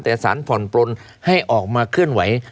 แต่สารผ่อนปลนให้ออกมาเคลื่อนไหว